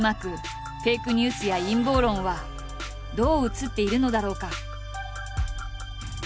ニュースや陰謀論はどう映っているのだろうか？